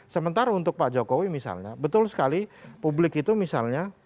sementara untuk pak jokowi misalnya betul sekali publik itu misalnya